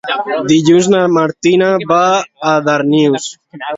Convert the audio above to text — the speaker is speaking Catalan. Dilluns na Martina va a Darnius.